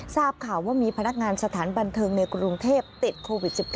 ทราบข่าวว่ามีพนักงานสถานบันเทิงในกรุงเทพติดโควิด๑๙